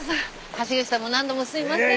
橋口さんも何度もすいません。